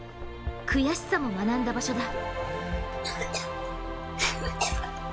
悔しさも学んだ場所だ。